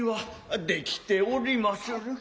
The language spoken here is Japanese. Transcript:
出来ておりまする。